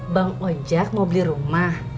bang ojek mau beli rumah